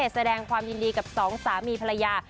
แสดงความยินดีกับสองสามีภรรยา